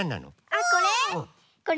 あっこれ？